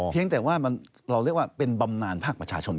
เพียงแต่ว่าเราเรียกว่าเป็นบำนานภาคประชาชน